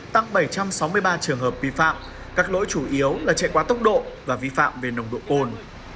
tăng bảy trăm sáu mươi ba trường hợp vi phạm các lỗi chủ yếu là chạy quá tốc độ và vi phạm về nồng độ cồn